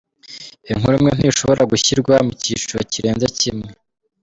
Inkuru imwe ntishobora gushyirwa mu cyiciro kirenze kimwe.